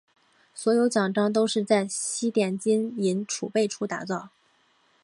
所有奖章都是在西点金银储备处打造。